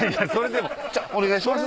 お願いします